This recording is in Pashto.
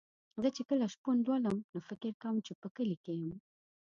زه چې کله شپون لولم نو فکر کوم چې په کلي کې یم.